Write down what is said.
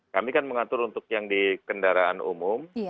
kami kan mengatur untuk yang di kendaraan umum